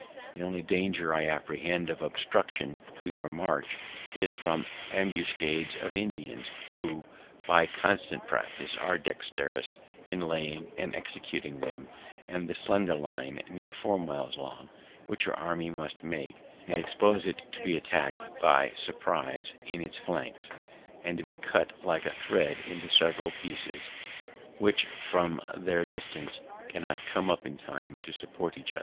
The only danger I apprehend of obstruction to your march is from ambuscades of Indians, who, by constant practice, are dexterous in laying and executing them; and the slender line, near four miles long, which your army must make, may expose it to be attack'd by surprise in its flanks, and to be cut like a thread into several pieces, which, from their distance, cannot come up in time to support each other."